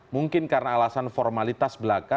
mungkin karena alasan formalitas belaka